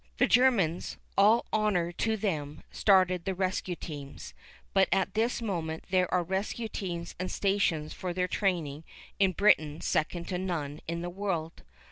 The Germans, all honour to them, started the rescue teams, but at this moment there are rescue teams and stations for their training in Britain second to none in the world.